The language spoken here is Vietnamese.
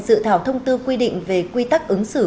dự thảo thông tư quy định về quy tắc ứng xử